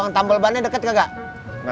yang tambel ban nya deket nggak nggak